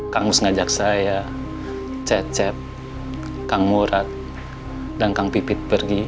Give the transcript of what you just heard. kang mus ngajak saya cecep kang murad dan kang pipit pergi